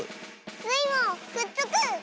スイもくっつく！